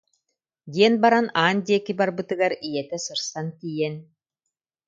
диэн баран аан диэки барбытыгар ийэтэ сырсан тиийэн: